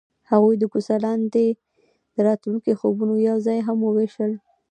هغوی د کوڅه لاندې د راتلونکي خوبونه یوځای هم وویشل.